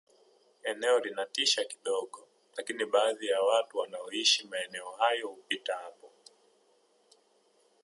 eneo linatisha kidogo lakini baadhi ya watu wanaoishi maeneo hayo hupita hapo